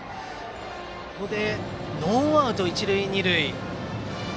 ここでノーアウト、一塁二塁。